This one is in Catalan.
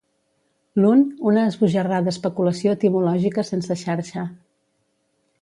L'un, una esbojar rada especulació etimològica sense xarxa.